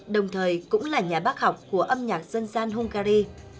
đồng thời cũng là nhà bác học của âm nhạc dân gian hungary